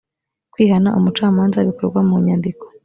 kwihana umucamanza bikorwa mu nyandiko